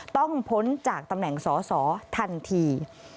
พ้นจากตำแหน่งสอสอทันที